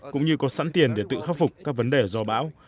cũng như có sẵn tiền để tự khắc phục các vấn đề do bão